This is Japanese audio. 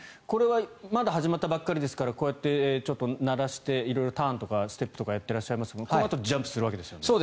これはまだ始まったばかりですからこうやって慣らして色々ターンとかステップとかやってらっしゃいますがこのあとジャンプするわけですよね。